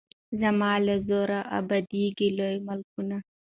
زما له زوره ابادیږي لوی ملکونه